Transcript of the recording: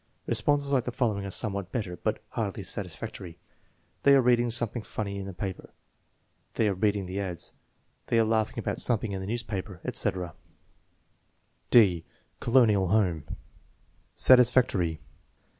Responses like the following are somewhat better, but hardly satisfactory: "They are reading something funny in the paper." "They are reading the ads." "They are laughing about something in the newspaper," etc. (d) Colonial Home ^ Satisfactory.